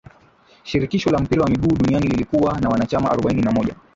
shirikisho la mpira wa miguu duniani lilikuwa na wanachama arobaini na moja